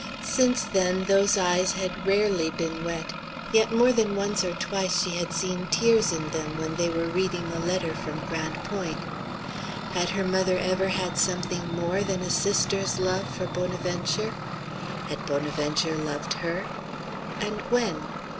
Since then, those eyes had rarely been wet; yet more than once or twice she had seen tears in them when they were reading a letter from Grande Pointe. Had her mother ever had something more than a sister's love for Bonaventure? Had Bonaventure loved her? And when?